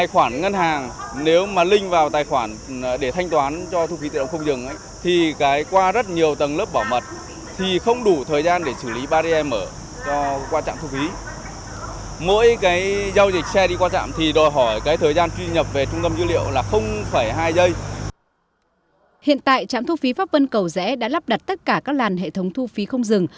hiện tại trạm thu phí pháp vân cầu rẽ đã lắp đặt tất cả các làn hệ thống thu phí không dừng